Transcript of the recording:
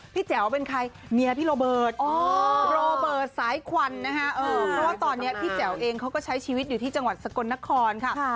แจ๋วเป็นใครเมียพี่โรเบิร์ตโรเบิร์ตสายควันนะคะเพราะว่าตอนนี้พี่แจ๋วเองเขาก็ใช้ชีวิตอยู่ที่จังหวัดสกลนครค่ะ